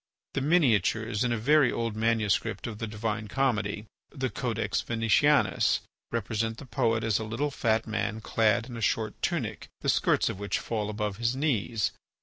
The miniatures in a very old manuscript of the "Divine Comedy," the "Codex Venetianus," represent the poet as a little fat man clad in a short tunic, the skirts of which fall above his knees.